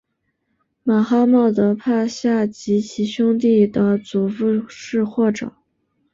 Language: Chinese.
马哈茂德帕夏及其兄弟的祖父是或者。